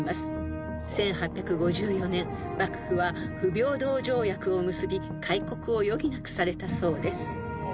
［１８５４年幕府は不平等条約を結び開国を余儀なくされたそうです］